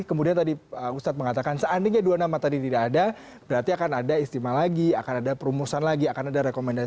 kemudian tadi ustadz mengatakan seandainya dua nama tadi tidak ada berarti akan ada istimewa lagi akan ada perumusan lagi akan ada rekomendasi